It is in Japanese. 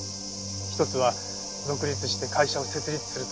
一つは独立して会社を設立するため。